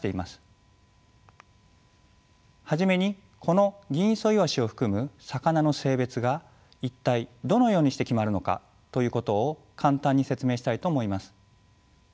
初めにこのギンイソイワシを含む魚の性別が一体どのようにして決まるのか？ということを簡単に説明したいと思います。